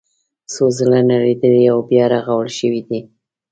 څو ځله نړېدلي او بیا رغول شوي دي.